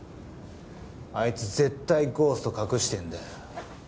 あいつ絶対ゴースト隠してるんだよ。